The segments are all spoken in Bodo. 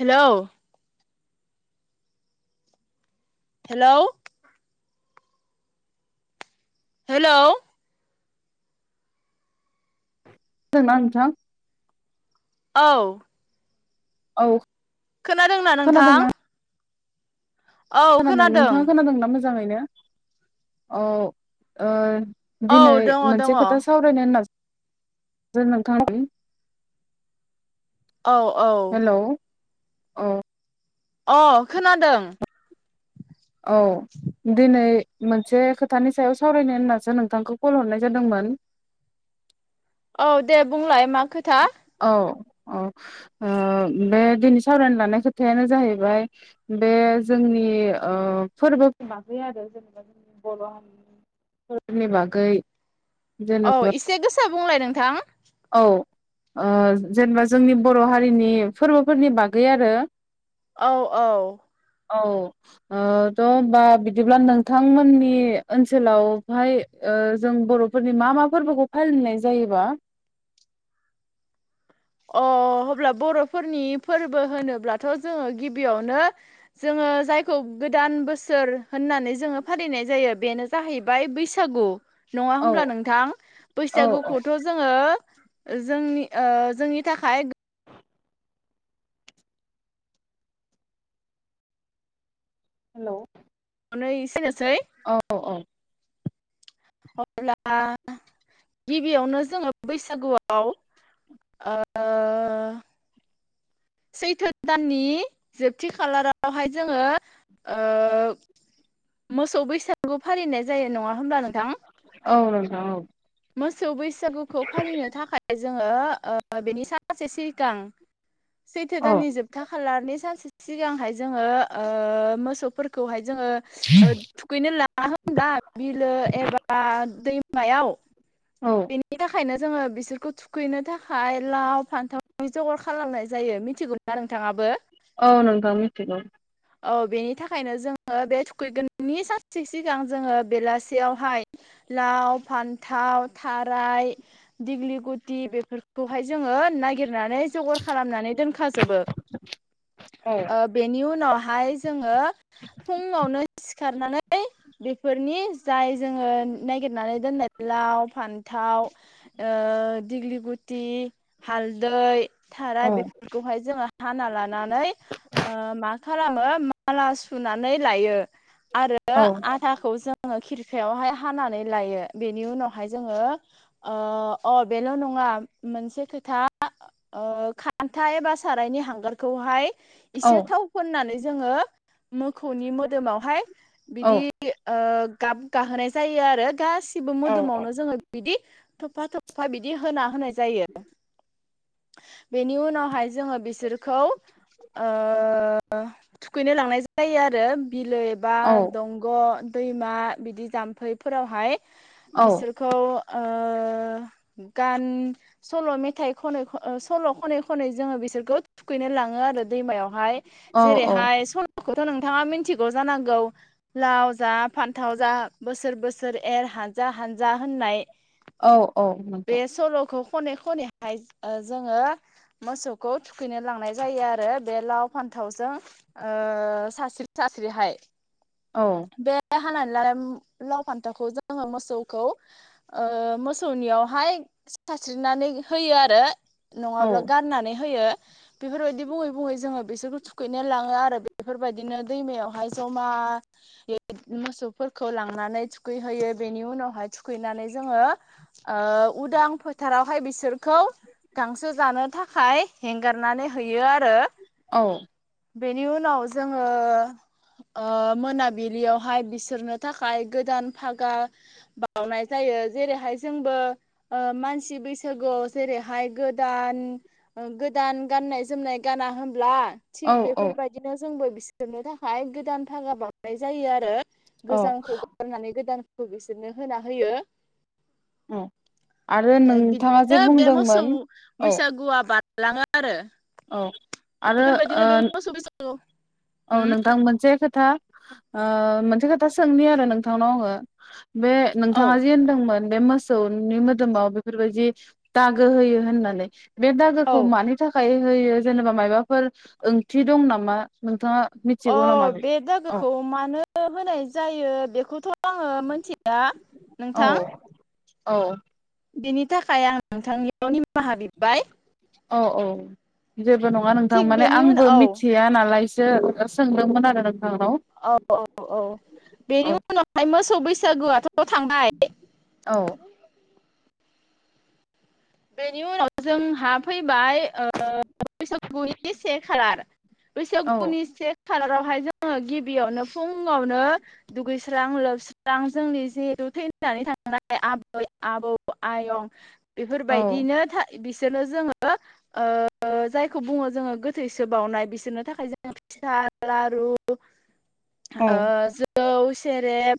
हेल' हेल' हेल' [unintelligible] नोंथां औ औ खोनादोंना खोनादोंना नोंथां? खोनादों नोंथाङा खोनादों ना मो मोजाङैनो अ ओ औ दिनै दङ दङ मोनसे औ खोथा सावरायनो होनना जों नोंथां नि औ औ अ अ' खोनादों औ दिनै मोनसे खोथानि सायाव सावरायनो होननासो नोंथांखौ कल हरनाय जादोंमोन। औ दे बुंलाय मा खोथा औ अ ओ बे दिनै सावरायनो लानाय खोथायानो जाहैबाय बे जोंनि ओ फोर्बोनि बागै आरो जेनेबा जोंनि बर' हारि फोरनि बागै औ जेनेबा इसे गोसा बुंलाय नोंथां औ ओ जेनेबा जोंनि बर' हारिनि फोरबोफोरनि बागै आरो। औ औ। औ ओ थ' बा बिदिब्ला नोंथांमोननि ओनसोलावहाय ओ जों बर'फोरनि मा मा फोरबोखौ फालिनाय जायोबा? अ अब्ला बर'फोरनि फोरबो होनोब्लाथ' जोङो गिबियावनो जोङो जायखौ गोदान बोसोर होननानै जोङो फालिनाय जायो बेनो जाहैबाय बैसागु। नङा औ होमब्ला नोंथां औ बैसागुखौथ' जोङो जोंनि ओ जोंनि थाखाय हेल' नो इसेनोसै औ औ अब्ला गिबियावनो जोङो बैसागुआव ओ सैथो दाननि जोबथि खालारावहाय जोङो ओ मोसौ बैसागु फालिनाय जायो नङा होमब्ला नों औ नोंथां औ। मोस सौ बैसागुखौ फालिनो थाखाय जों ओ ओ बेनि [unintelligible] सिगां सैथो दाननि औ जोबथा खालारनि सानसे सिगांहाय जोङो ओ मोसौफोरखौहाय जोङो ओ थुखैनो लाङा होनब्ला बिलो एबा दैमायाव? औ बेनि थाखायनो जोङो बिसोरखौ थुखैनो थाखाय लाव फान्थाव जगार खालामनाय जायो मिथिगौना नोंथाङाबो? औ नोंथां मिथिगौ। औ बेनि थाखायनो जोङो बे थुखैगोननि सानसे सिगां जोङो बेलासेयावहाय लाव, फान्थाव, थाराय, दिग्लिगुटि बेफोरखौहाय जोङो नागिर नानै जगार खालामनानै दोनखा जोबो औ ओ बेनि उनाव हाय जों ओ फुंआवनो खारनानै बेफोरनि जाय जोङो नागिरनानै दोननाय लाव, फान्थाव ओ दिग्लिगुटि हालदै थाराय औ बेफोरखौहाय जोङो हाना लानानै ओ मा खालामो माला सुनानै लायो। आरो औ आथाखौ जोङो खिर खायावहाय हानानै लायो बेनि उनावहाय जोङो ओ अ बेल' नङा मोनसे खोथा ओ खान्था एबा सारायनि हांगारखौहाय औ एसे थाव नानै जोङो मोखौनि मोदोमावहाय औ बिदि ओ गाब गाहोनाय जायो आरो गास बो मोदोमावनो जोङो बिदि थफा थफ्फा बिदि होना होनाय जायो। बेनि उनावहाय जोङो बिसोरखौ ओ ओ थुखैनो लांनाय जायो आरो बिलो एबा औ दंग' दैमा बिदि जाम्फैफोरावहाय औ बिसोरखौ ओ गान सल' मेथाइ खनै ख ओ सल' खनै खनै जोङो बिसोरखौ थुखैनो लाङो आरो दैमायावहाय। औ जेरैहाय सल' खौथ' नोंथाङा मिथिगौ जानांगौ लाव जा फान्थाव जा बोसोर बोसोर एर हानजा हानजा होननाय औ औ बे [unintelligible] सल'खौ खनै खनैहाय जोङो मोसौखौ थुखैनो लांनाय जायो आरो बे लाव फान थावजों ओ सास्रि सास्रिहाय। औ बे हानानै लानाय लाव फान्थावखौ जोङो मोसौखौ ओ मोसौनियावहाय सास्रिनानै होयो आरो औ नङाब्ला गाननानै होयो। बेफोरबायदि बुङै बुङै जोङो बिसोरखौ थुखैनो लाङो आरो बेफोरबायदिनो दैमायावहाय जमायै मोसौफोरखौ लांनानै थुखैहैयो। बेनि उनावहाय थुखैनानै जोङो ओ उदां फोथारावहाय बिसोरखौ गांसो जानो थाखाय हेंगारनानै होयो आरो औ। बेनि उनाव जोङो ओ मोनाबिलियावहाय बिसोरनो थाखाय गोदान फागा बावनाय जायो। जेरैहाय जोंबो ओ मानसि बैसागुआव जेरैहाय गोदान गोदान गाननाय जोमनाय गाना होनब्ला औ थिग औ बेफोरबायदिनो जोंबो बिसोरनो थाखाय गोदान फागा बावनाय जायो आरो औ गोजामखौ गारनानै गोदान खौ बिसोरनो होना होयो। औ आरो नोंथाङा जे बिदिनो बुंदोंमोन औ होलाङो आरो औ। आरो बेफोरबायदिनो ओ बे [unintelligible] औ नोंथां मोनसे खोथा ओ मोनसे खोथा सोंनि आरो नोंथांनाव आङो। बे औ नोंथाङा जे होनदोंमोन बे मोस सौनि मोदोमाव बेफोरबायदि दागो होयो होननानै बे दागोखौ औ मानि थाखाय हो होयो जेनेबा मायबाफोर ओंथि दं नामा? नोंथाङा अ मिथिगौ नामा बे औ दागोखौ मानो होनाय जायो बेखौथ' आङो मिथिया औ नोंथां। औ। बेनि थाखाय आं नोंथांनियाव निमाहा बिबाय औ औ। जेबो नङा नोंथां थिग माने बेनि आंबो उनाव मिथिया नालाय [unintelligible] सोंदोंमोन आरो नों औ औ औ बेनि औ उनावहाय मोसौै बैसा सागुआथ' थांबाय औ। बेनि उनाव जों हा फै बाय ओ बैसागुनि से खालार औ बैसागुनि से खालारावहाय जोङो गिबियावनो फुङावनो दुगैस्रां लोबस्रां जोंनि जि थैनानै थांनाय आबै आबौ आयं औ बेफोरबायदिनो था बिसोरनो जोङो ओ जायखौ बुङो जोङो गोथैसो बावनाय बिसोरनो थाखाय जोङो फिथ लारु ओ औ जो जौ सेरेब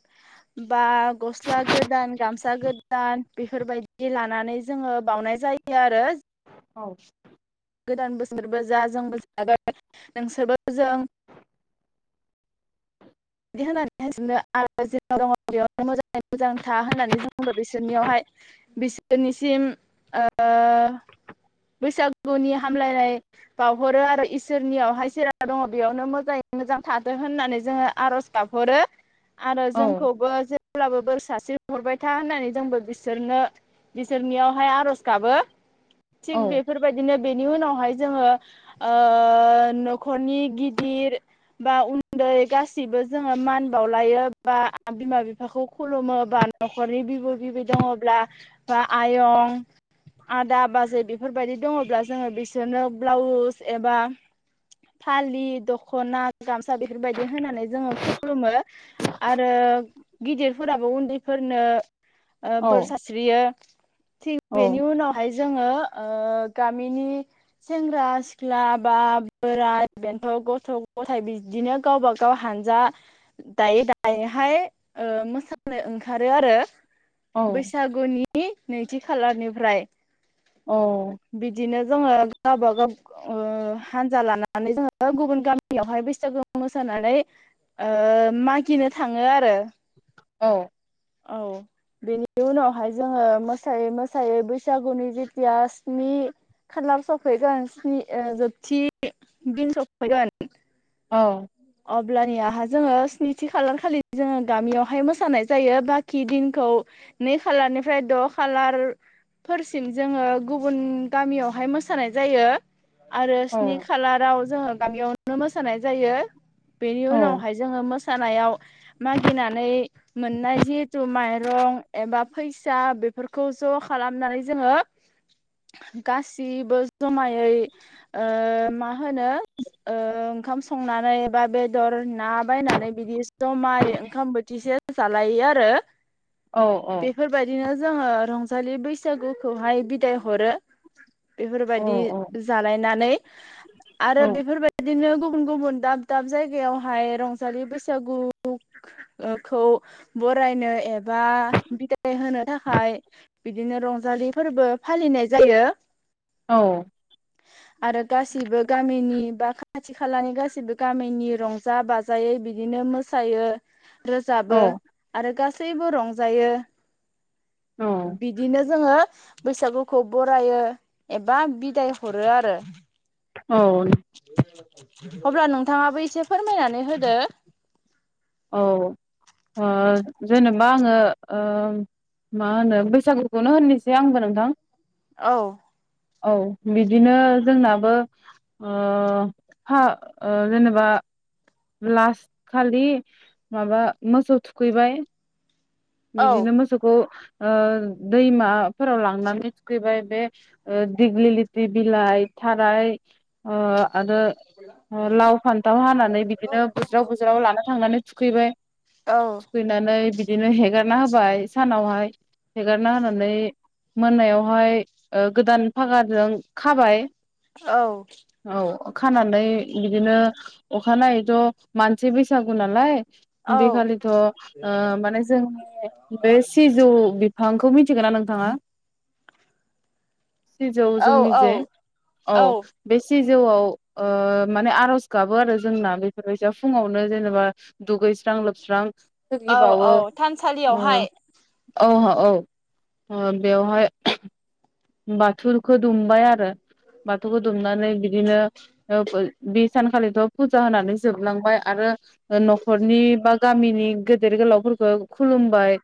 बा गस्ला गोदान गामसा गोदान बेफोरबायदि लानानै जोङो बावनाय जायो आरो। औ। गोदान बोसोरबो जा जोंबो जागोन नोंसोरबो जों बिदि होनानैहाय सोबनो आरो जाव दङ बेयाव मोजाङै मोजां था होननानै जों बुंद बिसोरनियावहाय बिसोरनिसिम बैसागुनि हामलायनाय बावहरो आरो इसोरनियावहाय जेराव दङ बेयावनो मोजाङै मोजां थादो होननानै जोङो आरज गाबहरो। आरो औ जोंखौबो अब्लाबो बोर सारस्रि हरबाय था होननानै जोंबो बिसोरनो बिसोरनियावहाय आर'ज गाबो। औ थिग बेफोरबायदिनो बेनि उनावहाय जोङो ओ,,, न'खरनि गिदिर बा उन्दै गासिबो जोङो मान बावलायो बा बिमा बिफाखौ खुलुमो बा न'खरनि बिबौ बिबै दङब्ला बा आयं आदा बाज जे बेफोरबायदि दङब्ला जोङो बिसोरनो ब्लाउस एबा फालि दख'ना गामसा बेफोरबायदि होनानै जोङो खुलुमो आरो गिदिरफोराबो उन्दैफोरनो ओ बोर औ सास्रियो‌। थिक बेनि उनावहाय जोङो ओ गामिनि सेंग्रा सिख्ला बा बोराइ बेन्थ' गथ' गथाय बिदिनो गावबा गाव हानजा दायै दायैहाय ओ मोसानो ओंखारो आरो। औ बैसागुनि नैथि खालारनिफ्राय औ बिदिनो जोङो गावबागाव ओ हानजा लानानै जोङो गुबुन गामियावहाय बैसागुआव मोसानानै ओ मागिनो थाङो आरो। औ औ बेनि उनावहाय जोङो मोसायै मोसायै बैसागुनि जेथिया स्नि खालार सफैगोन स्नि जोबथि दिन सफैगोन औ अब्लानियाहा जोङो स्निथि खालार खालि जोङो गामियावहाय मोसानाय जायो बाखि दिनखौ नै खालारनिफ्राय द' खालार फोरसिम जोङो गुबुन गामियावहाय मोसानाय जायो। आरो औ स्नि खालाराव जोङो गामियावनो मोसानाय जायो। बेनि उनावहाय जोङो मोसा मोसानायाव मागिनानै मोननाय जिहेतु माइरं एबा फैसा बेफोरखौ ज' खालामनानै जोङो गासिबो जमायै मा होनो ओंखाम संनानै बा बेदर ना बायनानै बिदि जमायै ओंखाम बोथिसे जालायो आरो बेफोरबायदिनो जोङो रंजालि बैसागुखौहाय बिदाय हरो। बेफोरबायदि जालायनानै आरो बेफोरबायदि बिदिनो गुबुन गुबुन दाब दाब जायगायावहाय रंजालि बैसागुखौ बरायनो एबा बिदाय होनो थाखाय बिदिनो रंजालि फोरबो फालिनाय जायो। औ आरो गासिबो गामिनि बा खाथि खालानि गासिबो गामिनि रंजा बाजायै बिदिनो मोसायो। औ रोजाबो आरो गासै सैबो रंजायो। बिदिनो जोङो बैसागुखौ बरायो एबा बिदाय हरो आरो। औ अब्ला नोंथाङाबो एसे फोरमायनानै होदो। औ जेनेबा आङो मा होनो बैसागुखौनो होननोसै आंबो नोंथां औ औ बिदिनो जोंनाबो फा जेनेबा लास्ट खालि माबा मोसौ थुखैबाय। औ बिदिनो मोसौखौ दैमाफोराव लांनानै थुखैबाय बे दिग्लि लिथि बिलाइ थाराय आरो लाव फान्थाव हानानै औ बिदिनो बुज्राव बुज्राव लाना थांनानै थुखैबाय औ थुखैनानै बिदि बिदिनो हेगारना होबाय सानावहाय हेगारना होनानै मोनायावहाय गोदान फागाजों खाबाय औ औ खानानै बिदिनो अखानायैथ' मानसि बैसागु नालाय औ बे खालिथ' ओ माने जों बे सिजौ बिफांखौ मिथिगौना नोंथाङा? सिजौ जोंनि जे औ औ बे सिजौआव ओ माने आरज गाबो आरो जोंना बेफोरबायदिया फुङावनो जेनेबा दुगैस्रां लोबस्रां औ औ थानसा अह ओह औ ओ बेवहाय बाथुरखो दुमबाय आरो बाथौखौ दुमनानै बिदिनो ओ बि सानखालिथ फुजा होनानै जोबलांबाय आरो नखरनि बा गामिनि गेदेर गोलावफोरखो खुलुमबाय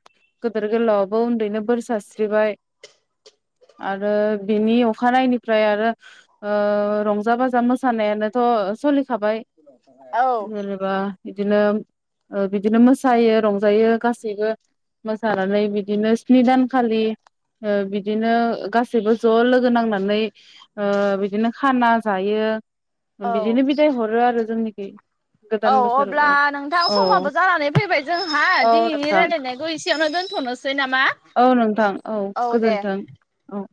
गेदेर गोलावआवबो उन्दैनो बोर सारस्रिबाय आरो बिनि अखानायनिफ्राय आरो ओ रंजा बाजा मोसानायानोथ' सलि खाबाय औ जेनेबा बिदिनो ओ बिदिनो मोसायो रंजायो गासैबो मोसानानै बिदिनो स्नि दानखालि ओ बिदि नो गासैबो ज‌ लोगो नांना नै ओ बिदिनो खाना जायो। औ बिदिनो बिदाय हरो आरो जोंनि [unintelligible] औ अब्ला नोंथां समाबो जानानै फैबाय जोंहा औ दिनैनि नोंथां रायलायनायखौ एसेयावनो दोनथनोसै ना औ नोंथां औ गोजोन्थों औ।